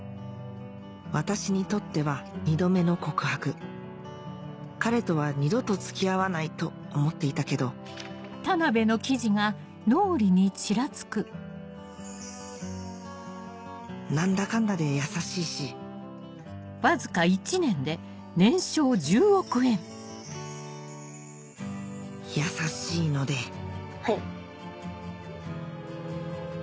私にとっては２度目の告白彼とは二度と付き合わないと思っていたけど何だかんだで優しいし優しいのではい。